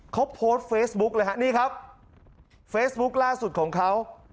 เขาโพสต์เฟซบุ๊กเลยฮะนี่ครับเฟซบุ๊คล่าสุดของเขา